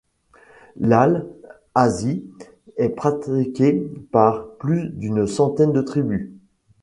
L'al 'azi est pratiqué par plus d'une centaine de tribus.